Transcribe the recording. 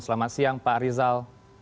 selamat siang pak rizal